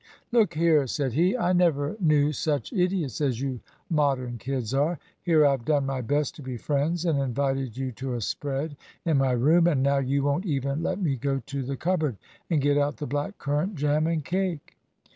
"Look here," said he; "I never knew such idiots as you Modern kids are. Here I've done my best to be friends and invited you to a spread in my room; and now you won't even let me go to the cupboard and get out the black currant jam and cake."